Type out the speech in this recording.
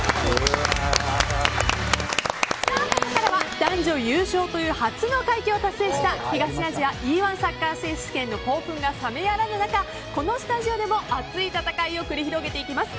ここからは男女優勝という初の快挙を達成した東アジアＥ‐１サッカー選手権の興奮が冷めやらぬ中このスタジオでも熱い戦いを繰り広げていきます。